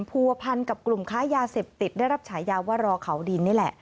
ผัวพันกับกลุ่มค้ายาเสพติดได้รับฉายาว่ารอเขาดินนี่แหละ